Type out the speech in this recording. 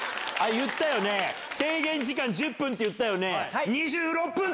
言ったよね、制限時間１０分って言ったよね。